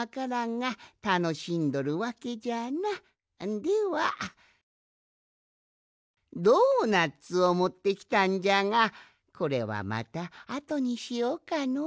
ではドーナツをもってきたんじゃがこれはまたあとにしようかのう。